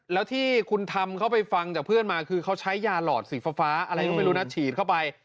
แล้วที่คุณทำเขาไปฟังจากเพื่อนมาคือเขาใช้ยาหลอดสีฟ้าอะไรก็ไม่รู้นะฉีดเข้าไป